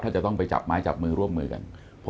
ถ้าจะต้องไปจับไม้จับมือร่วมมือกัน